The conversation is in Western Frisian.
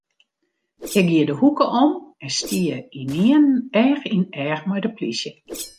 Ik gie de hoeke om en stie ynienen each yn each mei in polysje.